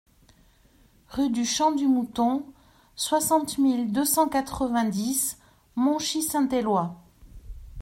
un rue du Champ du Mouton, soixante mille deux cent quatre-vingt-dix Monchy-Saint-Éloi